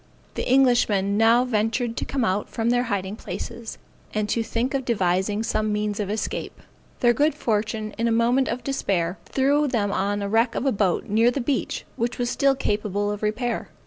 The Englishmen now ventured to come out from their hiding places, and to think of devising some means of escape. Their good fortune in a moment of despair, threw them on the wreck of a boat, near the beach, which was still capable of repair.